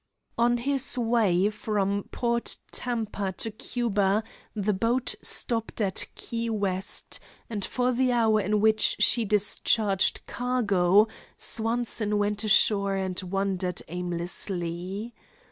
On his way from Port Tampa to Cuba the boat stopped at Key West, and for the hour in which she discharged cargo Swanson went ashore and wandered aimlessly.